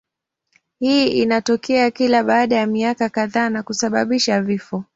Hii inatokea kila baada ya miaka kadhaa na kusababisha vifo.